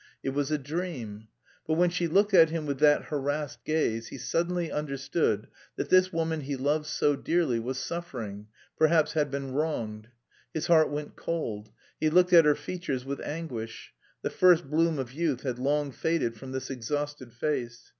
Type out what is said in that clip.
It was a dream. But when she looked at him with that harassed gaze he suddenly understood that this woman he loved so dearly was suffering, perhaps had been wronged. His heart went cold. He looked at her features with anguish: the first bloom of youth had long faded from this exhausted face.